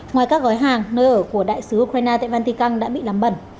ngoài các gói hàng nơi ở của đại sứ ukraine tepantikang đã bị làm bẩn